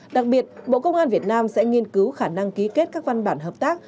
đặc biệt bộ công an việt nam sẽ nghiên cứu khả năng ký kết các văn bản hợp tác